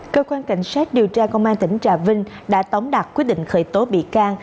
cơ quan cảnh sát điều tra công an tỉnh trà vinh đã tống đạt quyết định khởi tố bị can